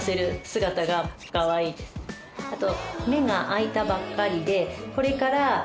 あと。